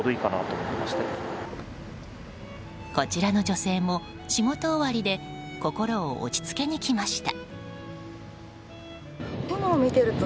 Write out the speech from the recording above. こちらの女性も仕事終わりで心を落ち着けに来ました。